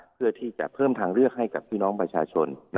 เพื่อที่จะเพิ่มทางเลือกให้กับพี่น้องประชาชน